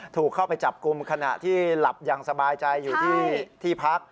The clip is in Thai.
ถูกเข้าไปจับกลุ่มขณะที่หลับอย่างสบายใจอยู่ที่พัก